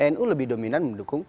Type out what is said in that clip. nu lebih dominan mendukung